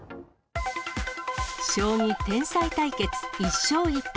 将棋天才対決、１勝１敗。